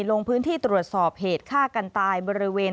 ลงพื้นที่ตรวจสอบเหตุฆ่ากันตายบริเวณ